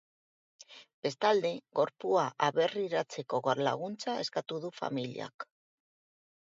Bestalde, gorpua aberriratzeko laguntza eskatu du familiak.